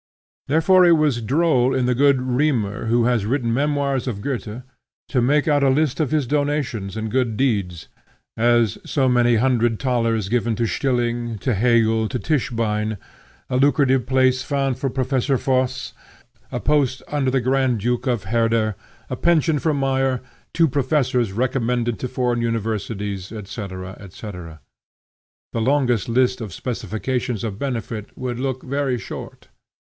Therefore it was droll in the good Riemer, who has written memoirs of Goethe, to make out a list of his donations and good deeds, as, so many hundred thalers given to Stilling, to Hegel, to Tischbein; a lucrative place found for Professor Voss, a post under the Grand Duke for Herder, a pension for Meyer, two professors recommended to foreign universities; &c., &c. The longest list of specifications of benefit would look very short.